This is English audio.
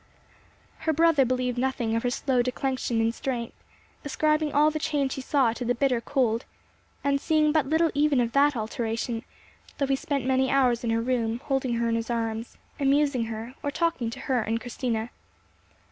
Her brother believed nothing of her slow declension in strength, ascribing all the change he saw to the bitter cold, and seeing but little even of that alteration, though he spent many hours in her room, holding her in his arms, amusing her, or talking to her and to Christina.